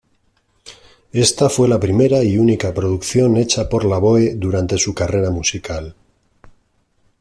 Esta fue la primera y única producción hecha por Lavoe durante su carrera musical.